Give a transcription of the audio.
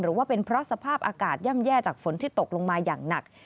หรือว่าเป็นเพราะสภาพอากาศย่ำแย่จากฝนที่ตกลงมาอย่างหนัก